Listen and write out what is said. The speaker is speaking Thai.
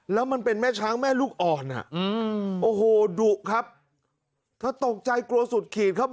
แล้วมันเป็นแม่ช้างแม่ลูกอ่อนอ่ะอืมโอ้โหดุครับเธอตกใจกลัวสุดขีดครับ